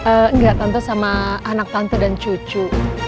eh enggak tante sama anak tante dan cucu